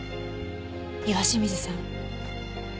岩清水さん